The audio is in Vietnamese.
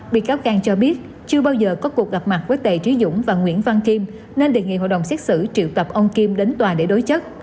bị cáo khang cho biết chưa bao giờ có cuộc gặp mặt với tề trí dũng và nguyễn văn kim nên đề nghị hội đồng xét xử triệu tập ông kim đến tòa để đối chất